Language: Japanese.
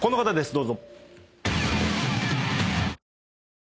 どうぞ。